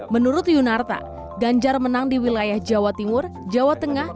menurut yunarta ganjar menang di wilayah jawa timur jawa tengah